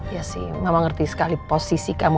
iya sih mama ngerti sekali posisi kamu